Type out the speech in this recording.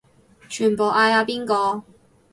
全部嗌阿邊個